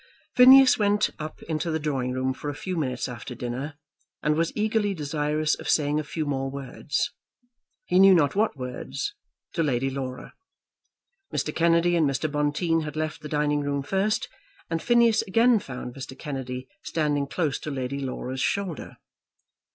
Phineas went up into the drawing room for a few minutes after dinner, and was eagerly desirous of saying a few more words, he knew not what words, to Lady Laura. Mr. Kennedy and Mr. Bonteen had left the dining room first, and Phineas again found Mr. Kennedy standing close to Lady Laura's shoulder.